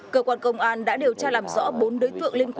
cơ quan công an đã điều tra làm rõ bốn đối tượng liên quan